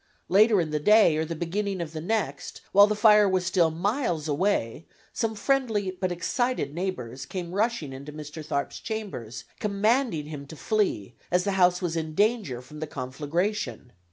Later in the day or the beginning of the next, while the fire was still miles away, some friendly but excited neighbors, came rushing into Mr. Tharp's chambers commanding him to flee as the house was in danger from the conflagration.